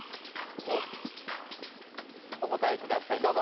おっお答えください